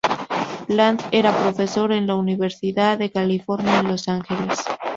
Land era profesor en la Universidad de California en Los Ángeles.